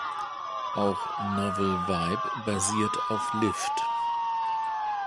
Auch Novell Vibe basiert auf Lift.